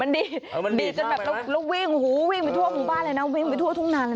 ดีจนแบบเราวิ่งฮู้วิ่งไปทั่วประตูบ้านเลยนะทุ่งนา